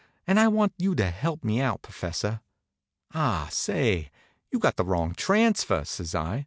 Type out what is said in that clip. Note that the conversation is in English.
And I want you to help me out, professor." "Ah, say, you got the wrong transfer," says I.